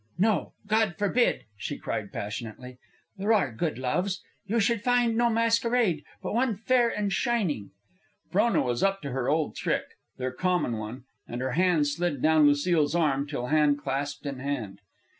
No, God forbid!" she cried, passionately. "There are good loves. You should find no masquerade, but one fair and shining." Frona was up to her old trick, their common one, and her hand slid down Lucile's arm till hand clasped in hand.